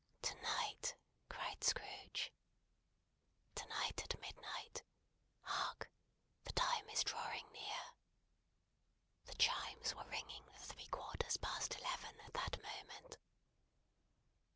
"To night!" cried Scrooge. "To night at midnight. Hark! The time is drawing near." The chimes were ringing the three quarters past eleven at that moment.